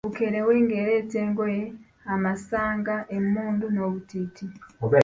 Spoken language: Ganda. Bukerewe ng'ereeta engoye, amasanga, emmundu n'obutiiti.